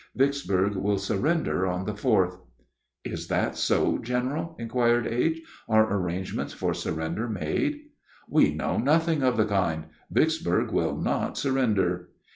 Vicksburg will surrender on the 4th." "Is that so, general?" inquired H. "Are arrangements for surrender made?" "We know nothing of the kind. Vicksburg will not surrender."